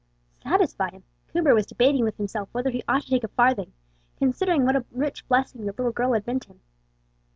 Satisfy him? Coomber was debating with himself whether he ought to take a farthing, considering what a rich blessing the little girl had been to him.